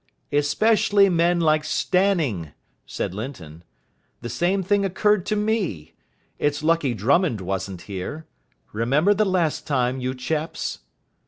"Especially men like Stanning," said Linton. "The same thing occurred to me. It's lucky Drummond wasn't here. Remember the last time, you chaps?"